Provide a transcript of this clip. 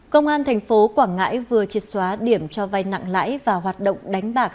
công an thành phố quảng ngãi vừa triệt xóa điểm cho vay nặng lãi và hoạt động đánh bạc